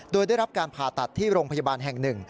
โดยได้รับการผ่าตัดที่โรงพยาบาลแห่ง๑